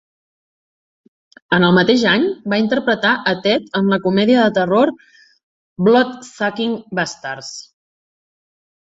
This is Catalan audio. En el mateix any va interpretar a Ted en la comèdia de terror "Bloodsucking Bastards".